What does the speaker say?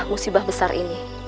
musibah besar ini